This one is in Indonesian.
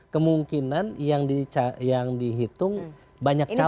kemungkinan yang dihitung banyak caleg